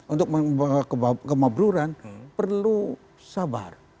untuk kemabruran perlu sabar